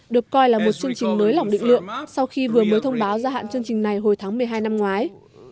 được coi là một chương trình nới lỏng định lượng sau khi vừa mới thông báo gia hạn chương trình này hồi tháng một mươi hai năm ngoái